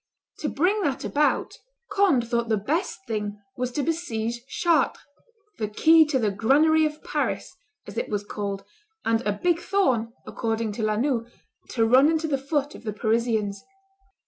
To bring that about, Conde thought the best thing was to besiege Chartres, "the key to the granary of Paris," as it was called, and "a big thorn," according to La Noue, "to run into the foot of the Parisians."